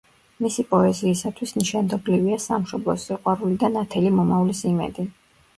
მისი პოეზიისათვის ნიშანდობლივია სამშობლოს სიყვარული და ნათელი მომავლის იმედი.